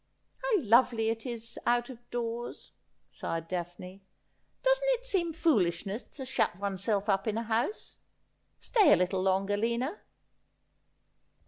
'How lovely it is out of doors !' sighed Daphne. 'Doesn't it seem foolishness to shut oneself up in a house ? Stay a little longer, Lina.'